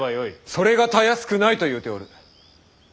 それがたやすくないと言うておる。